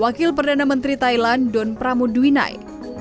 wakil perdana menteri thailand don pramudwinai